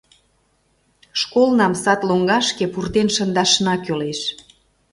Школнам сад лоҥгашке пуртен шындашна кӱлеш.